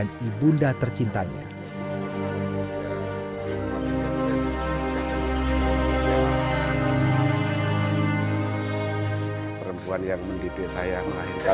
saya yang terima insya allah